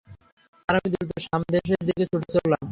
আর আমি দ্রুত শাম দেশের দিকে ছুটে চললাম।